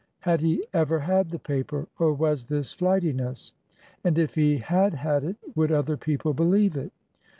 Had he ever had the paper, or was this flightiness ? And if he had had it, would other people believe it